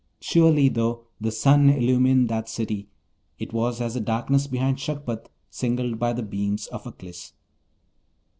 Surely, though the sun illumined that city, it was as a darkness behind Shagpat singled by the beams of Aklis.